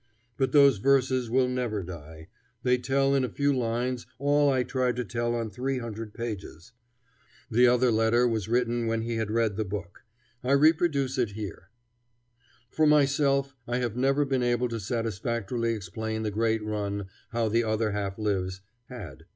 But those verses will never die. They tell in a few lines all I tried to tell on three hundred pages. The other letter was written when he had read the book. I reproduce it here. [Illustration: Mr. Lowell's Letter.] For myself I have never been able to satisfactorily explain the great run "How the Other Half Lives" had.